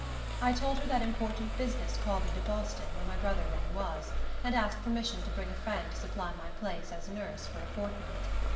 I told her that important business called me to Boston, where my brother then was, and asked permission to bring a friend to supply my place as nurse, for a fortnight.